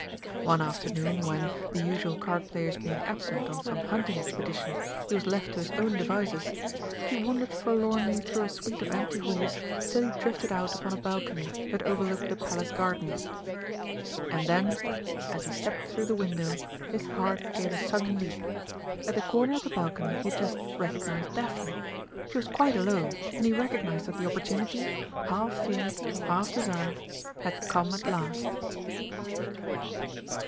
One afternoon when, the usual card players being absent on some hunting expedition, he was left to his own devices, he wandered forlornly through a suite of empty halls till he drifted out upon a balcony that overlooked the Palace gardens. And then, as he stepped through the window, his heart gave a sudden leap. At the corner of the balcony he had just recognised Daphne. She was quite alone, and he recognised that the opportunity, half feared, half desired, had come at last.